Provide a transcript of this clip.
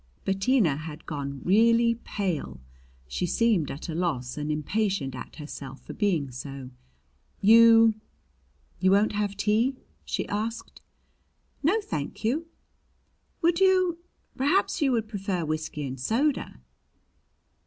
Bettina had gone really pale. She seemed at a loss, and impatient at herself for being so. "You you won't have tea?" she asked. "No, thank you." "Would you perhaps you would prefer whiskey and soda."